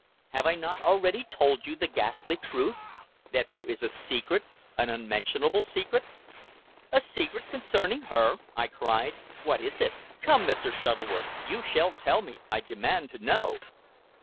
Have I not already told you the ghastly truth? that there is a secret an unmentionable secret " "A secret concerning her!" I cried. "What is it? Come, Mr. Shuttleworth, you shall tell me, I demand to know!"